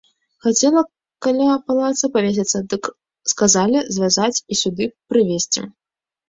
Хацела каля палаца павесіцца, дык сказалі звязаць і сюды прывесці!